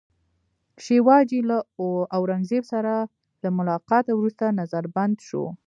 شیوا جي له اورنګزېب سره له ملاقاته وروسته نظربند شو.